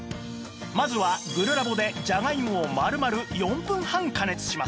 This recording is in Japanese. まずはグルラボでじゃがいもを丸々４分半加熱します